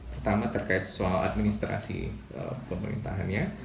pertama terkait soal administrasi pemerintahannya